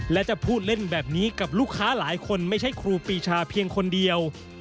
และจะพูดเล่นแบบนี้กับลูกค้าหลายคนไม่ใช่ครูปีชาเพียงคนเดียว